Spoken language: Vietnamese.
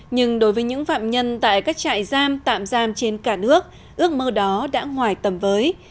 nhưng đối với những phạm nhân tại các trại giam tạm giam trên cả nước ước mơ đó đã ngoài tầm với